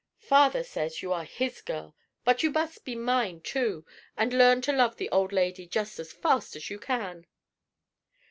Father says you are his girl; but you must be mine, too, and learn to love the old lady just as fast as you can."